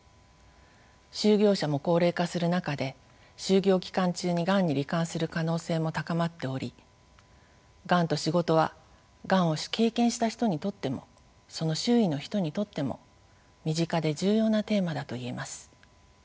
就業者も高齢化する中で就業期間中にがんに罹患する可能性も高まっておりがんと仕事はがんを経験した人にとってもその周囲の人にとっても身近で重要なテーマだと言えます。